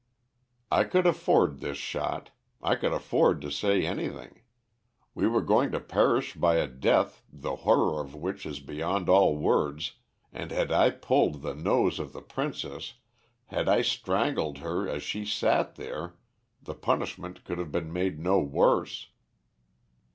"I could afford this shot. I could afford to say anything. We were going to perish by a death the horror of which is beyond all words, and had I pulled the nose of the princess, had I strangled her as she sat there, the punishment could have been made no worse.